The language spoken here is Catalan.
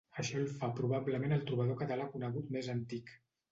Això el fa probablement el trobador català conegut més antic.